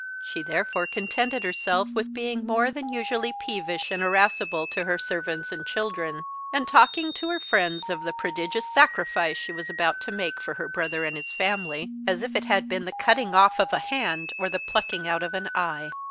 She therefore contented herself with being more than usually peevish and irascible to her servants and children, and talking to her friends of the prodigious sacrifice she was about to make for her brother and his family, as if it had been the cutting off of a hand or the plucking out of an eye.